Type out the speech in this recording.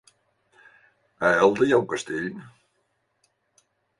A Elda hi ha un castell?